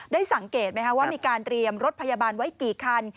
สังเกตไหมคะว่ามีการเตรียมรถพยาบาลไว้กี่คัน